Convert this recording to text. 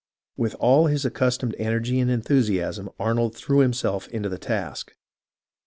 With all his accustomed energy and enthusiasm Arnold threw himself into the task.